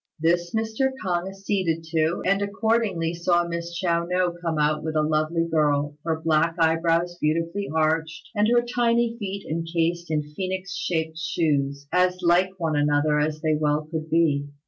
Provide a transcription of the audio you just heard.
This Mr. K'ung acceded to, and accordingly saw Miss Chiao no come out with a lovely girl her black eyebrows beautifully arched, and her tiny feet encased in phœnix shaped shoes as like one another as they well could be.